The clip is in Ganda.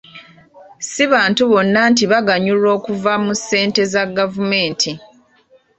Si bantu bonna nti baganyulwa okuva mu ssente za gavumenti.